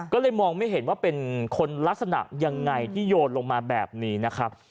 ก็เลยมองไม่เห็นว่าเป็นคนลักษณะยังไงที่โยนลงมาแบบนี้นะครับ